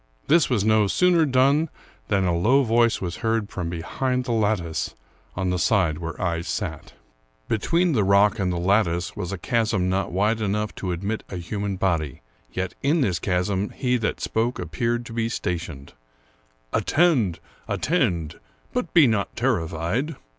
This was no sooner done, than a low voice was heard from behind the lattice, on the side where I sat. Between 235 American Mystery Stories the rock and the lattice was a chasm not wide enough to admit a human body ; yet in this chasm he that spoke ap peared to be stationed, " Attend ! attend ! but be not ter rified."